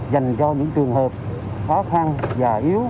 dành cho những trường hợp khó khăn già yếu